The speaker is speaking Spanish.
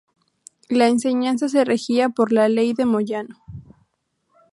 La enseñanza se regía por la ley de Moyano.